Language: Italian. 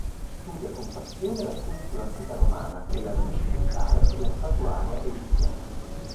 Studia con passione la scultura antica romana, quella rinascimentale e la statuaria egiziana.